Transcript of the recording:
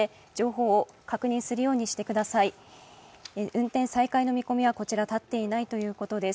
運転再開の見込みは立っていないということです。